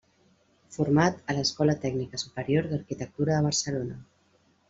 Format a l'Escola Tècnica Superior d'Arquitectura de Barcelona.